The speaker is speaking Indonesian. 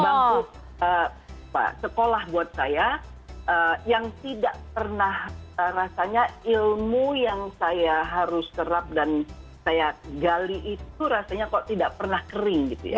bangku sekolah buat saya yang tidak pernah rasanya ilmu yang saya harus serap dan saya gali itu rasanya kok tidak pernah kering gitu ya